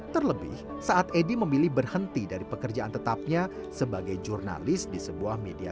terlebih saat edi memilih berhenti dari pekerjaan tetapnya sebagai jurnalis di sebuah media